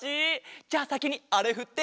じゃあさきにあれふって！